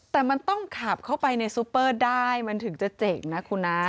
แต่มันต้องขับเข้าไปในซูเปอร์ได้มันถึงจะเจ๋งนะคุณนะ